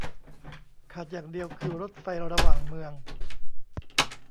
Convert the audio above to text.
ขาดอย่างเดียวคือรถไฟระหว่างเมือง